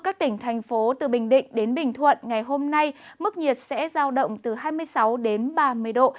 các tỉnh thành phố từ bình định đến bình thuận ngày hôm nay mức nhiệt sẽ giao động từ hai mươi sáu đến ba mươi độ